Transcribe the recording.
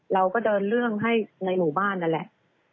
เราก็เดินเรื่องให้ในหมู่บ้านนั่นแหละ